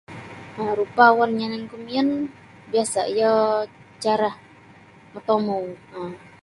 um Rupa' awan yananku miyan biasa' iyo carah motomou um.